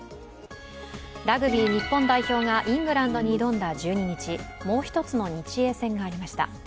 ラグビー日本代表がイングランドに挑んだ１２日もう一つの日英戦がありました。